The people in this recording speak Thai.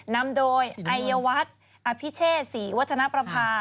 นำโดยอายวัฒน์อภิเชษศรีวัฒนประภา